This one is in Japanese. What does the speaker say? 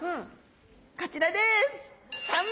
こちらです。